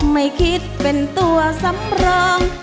ไม่คิดเป็นตัวสำรอง